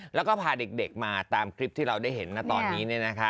แล้วก็พาเด็กมาตามคลิปที่เราได้เห็นนะตอนนี้